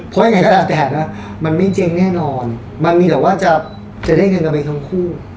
เพราะยังไงก็แล้วแต่นะมันไม่เจ๊งแน่นอนมันมีแต่ว่าจะได้เงินกันไปทั้งคู่